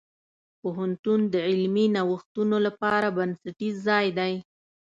پوهنتون د علمي نوښتونو لپاره بنسټیز ځای دی.